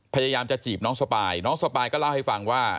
พยายามจะจีบน้องสปายน้องสปายก็เล่าให้ฟังว่า